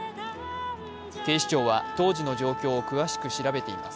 警視庁は当時の状況を詳しく調べています。